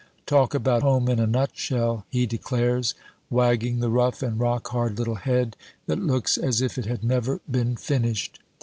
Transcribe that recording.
"Talk about home in a nutshell!" he declares, wagging the rough and rock hard little head that looks as if it had never been finished.